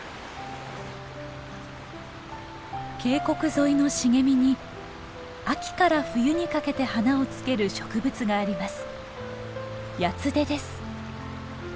渓谷沿いの茂みに秋から冬にかけて花をつける植物があります。